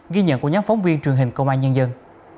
ghi nhận của nhóm phóng viên truyền hình công an nhân dân